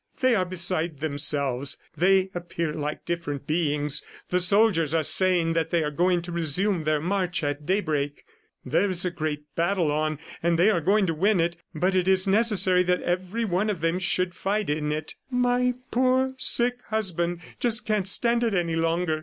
"They are beside themselves; they appear like different beings. The soldiers are saying that they are going to resume their march at daybreak. There is a great battle on, and they are going to win it; but it is necessary that everyone of them should fight in it. ... My poor, sick husband just can't stand it any longer.